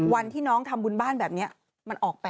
วันที่น้องทำบุญบ้านแบบนี้มันออกไป